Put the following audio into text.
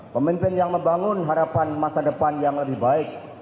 pemimpin yang membangun harapan masa depan yang lebih baik